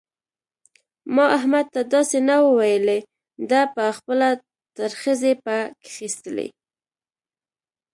ما احمد ته داسې نه وو ويلي؛ ده په خپله ترخځي په کښېيستلې.